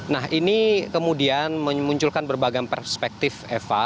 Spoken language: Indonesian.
nah ini kemudian memunculkan berbagai perspektif eva